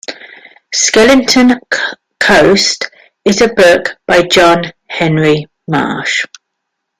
"Skeleton Coast" is a book by John Henry Marsh.